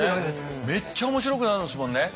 めっちゃ面白くなるんですもんね。